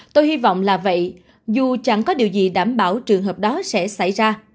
tôi hy vọng là vậy dù chẳng có điều gì đảm bảo trường hợp đó sẽ xảy ra